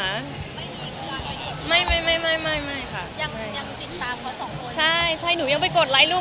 อันนี้จริงเป็นอย่างไร